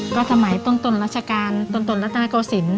ก็สมัยต้นราชการต้นรัฐนาโกศิลป